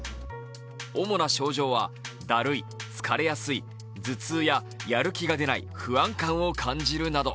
主な症状は、だるい、疲れやすい、頭痛ややる気が出ない、不安感を感じるなど。